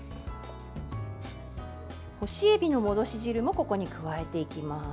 干しエビの戻し汁もここに加えていきます。